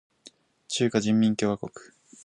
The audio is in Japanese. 中華人民共和国